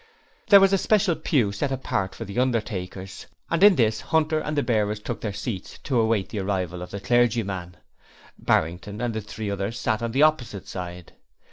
There was a special pew set apart for the undertakers, and in this Hunter and the bearers took their seats to await the arrival of the clergyman. Barrington and the three others sat on the opposite side.